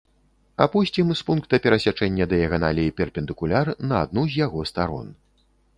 Апусцім з пункта перасячэння дыяганалей перпендыкуляр на адну з яго старон.